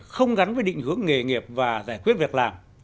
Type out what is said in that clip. không gắn với định hướng nghề nghiệp và giải quyết việc làm